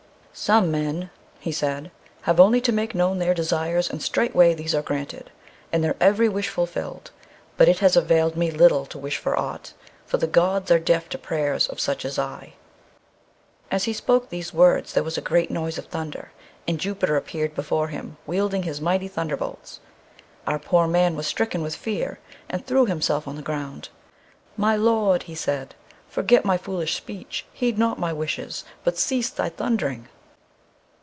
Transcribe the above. "Some men," he said, "have only to make known their desires, and straightway these are granted, and their every wish fulfilled; but it has availed me little to wish for ought, for the gods are deaf to the prayers of such as I." As he spoke these words there was a great noise of thunder, and Jupiter appeared before him wielding his mighty thunderbolts. Our poor man was stricken with fear and threw himself on the ground. "My lord," he said, "forget my foolish speech; heed not my wishes, but cease thy thundering!"